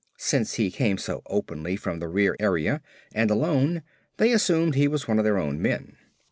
Since he came so openly from their rear area and alone, they assumed he was one of their own men.